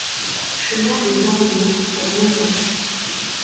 Chemin des Ariaux à Donzac